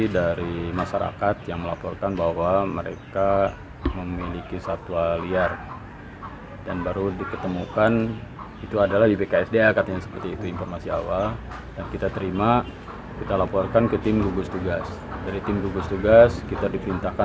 dari awal saya ingin menyerahkan ke dinasib jomba